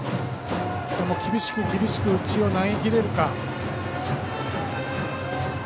厳しく、厳しく内を投げきれるか。